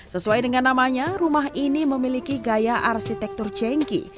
sesuai dengan namanya rumah ini memiliki gaya arsitektur jengki